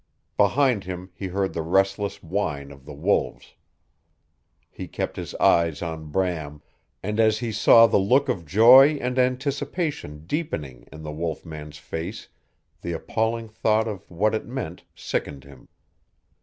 Behind him he heard the restless whine of the wolves. He kept his eyes on Bram, and as he saw the look of joy and anticipation deepening in the wolf man's face the appalling thought of what it meant sickened him.